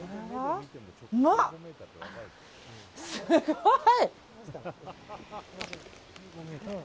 すごい！